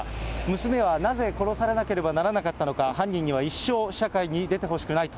娘はなぜ殺されなければならなかったのか、犯人には一生社会に出てほしくないと。